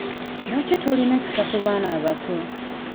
Lwaki tolina kisa ku baana abato?